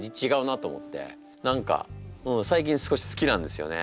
何かうん最近少し好きなんですよね。